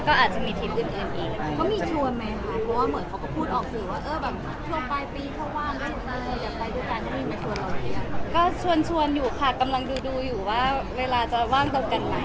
ก็ชวนอยู่ค่ะกำลังดูอยู่ว่าเวลาจะว่างตรงกันไหม